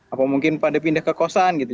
apa mungkin pada pindah ke kosan gitu